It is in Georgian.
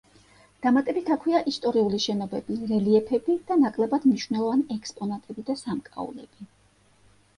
დამატებით აქვეა ისტორიული შენობები, რელიეფები და ნაკლებად მნიშვნელოვანი ექსპონატები და სამკაულები.